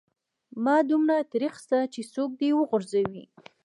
مه دومره تريخ سه چې څوک دي و غورځوي.